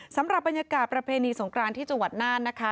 สำหรับบรรยากาศประเพณีสงครานที่จังหวัดน่านนะคะ